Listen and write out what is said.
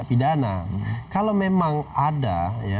pidana kalau memang ada